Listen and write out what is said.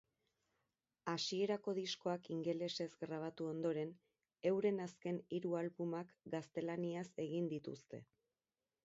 Hasierako diskoak ingelesez grabatu ondoren, euren azken hiru albumak gaztelaniaz egin dituzte.